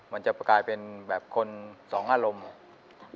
มันจะกลายเป็นแบบคนสองอารมณ์อ่ะ